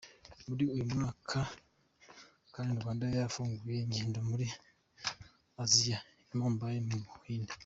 Muri uyu mwaka kandi RwandAir yafunguye ingendo muri Aziya, i Mumbai mu Buhinde.